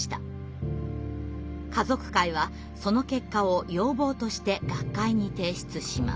家族会はその結果を要望として学会に提出します。